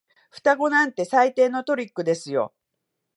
双子なんて最低のトリックですよ。